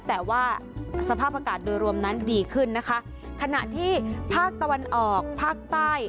แต่ว่าสภาพอากาศโดยรวมนั้นดีขึ้นนะคะขณะที่ภาคตะวันออกภาคใต้